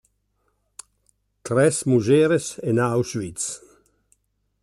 Tres mujeres en Auschwitz.